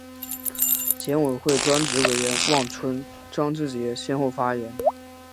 检委会专职委员万春、张志杰先后发言